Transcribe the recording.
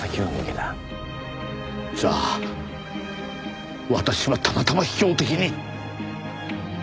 じゃあ私はたまたま標的に。